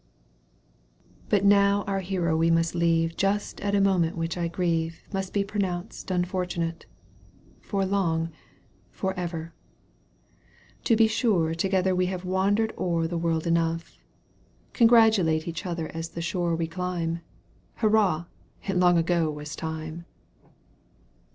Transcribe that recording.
— But now our hero we must leave Just at a moment which I grieve Must be pronounced unfortunate — For long — ^for ever. To be sure Together we have wandered o'er The world enough. Congratulate Each other as the shore we climb ! Hurrah ! it long ago was time